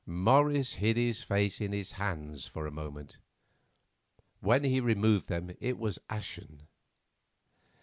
Morris hid his face in his hands for a moment; when he removed them it was ashen.